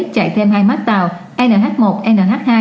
chạy thêm hai mác tàu nh một nh hai